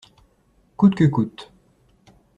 Coûte que coûte.